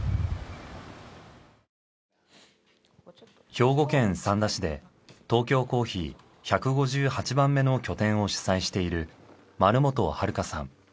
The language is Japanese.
兵庫県三田市でトーキョーコーヒー１５８番目の拠点を主宰している丸本晴圭さん。